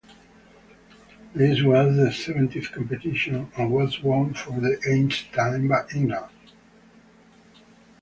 This was the seventeenth competition and was won for the eighth time by England.